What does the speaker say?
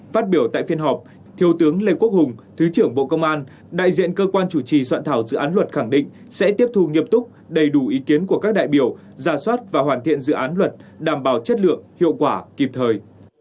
phát biểu tại phiên họp thiếu tướng lê quốc hùng thứ trưởng bộ công an đại diện cơ quan chủ trì soạn thảo dự án luật khẳng định sẽ tiếp thù nghiêm túc đầy đủ ý kiến của các đại biểu giả soát và hoàn thiện dự án luật đảm bảo chất lượng hiệu quả kịp thời